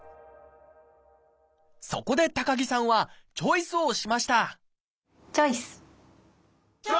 そこで高木さんはチョイスをしましたチョイス！